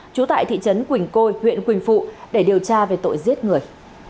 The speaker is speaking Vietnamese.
trú tại thị trấn quỳnh côi huyện quỳnh phụ để điều tra về tội giết người